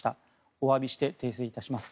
おわびして訂正いたします。